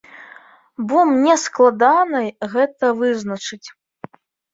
Бо мне складана гэта вызначыць.